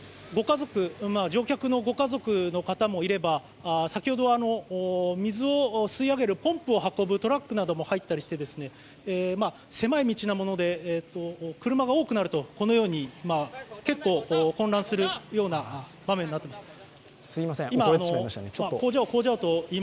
乗客のご家族の方もいれば、先ほど水を吸い上げるポンプを運ぶトラックなんかも入ったりして狭い道なもので、車が多くなると、このように結構混乱するような場面になっています。